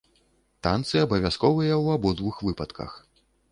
Танцы абавязковыя ў абодвух выпадках.